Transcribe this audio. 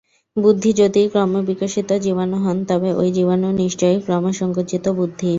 বুদ্ধ যদি ক্রমবিকশিত জীবাণু হন, তবে ঐ জীবাণুও নিশ্চয়ই ক্রমসঙ্কুচিত বুদ্ধ।